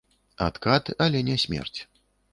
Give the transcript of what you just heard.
Адкат, але не смерць.